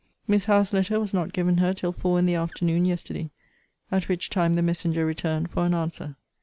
Miss Howe's letter was not given her till four in the afternoon, yesterday; at which time the messenger returned for an answer.